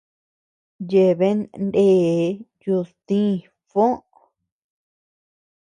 Yeabean ndee duytï Fo.